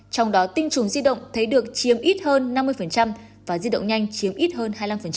trong đó tinh trùng di động thấy được chiếm ít hơn năm mươi và di động nhanh chiếm ít hơn hai mươi năm